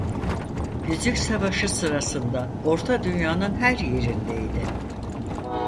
Yüzük Savaşı sırasında Orta Dünya'nın her yerindeydi.